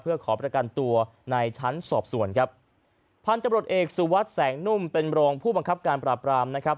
เพื่อขอประกันตัวในชั้นสอบส่วนครับพันธุ์ตำรวจเอกสุวัสดิ์แสงนุ่มเป็นรองผู้บังคับการปราบรามนะครับ